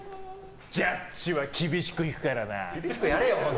ジャッジは厳しくいくからな。